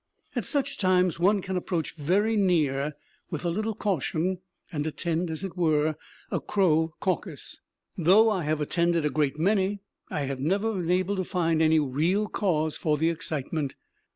At such times one can approach very near with a little caution, and attend, as it were, a crow caucus. Though I have attended a great many, I have never been able to find any real cause for the excitement.